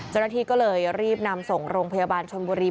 เจ้าหน้าที่ก็เลยรีบนำส่งโรงพยาบาลชนบุรี